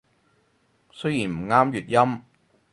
雖然唔啱粵音